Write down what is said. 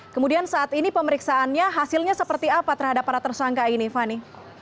kemudian saat ini pemeriksaannya hasilnya seperti apa terhadap para tersangka ini fani